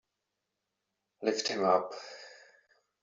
Lift him up.